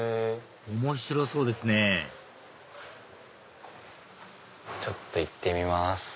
面白そうですねちょっと行ってみます！